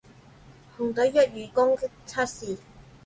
紅隊釣魚攻擊測試